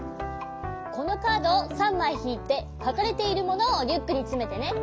このカードを３まいひいてかかれているものをリュックにつめてね。